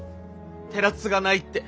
寺継がないって。